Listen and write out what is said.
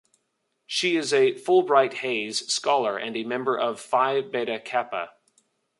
She is a Fulbright-Hays scholar and a member of Phi Beta Kappa.